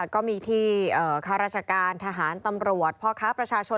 ก็มีที่ข้าราชการทหารตำรวจพ่อค้าประชาชน